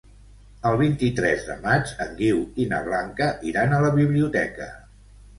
El vint-i-tres de maig en Guiu i na Blanca iran a la biblioteca.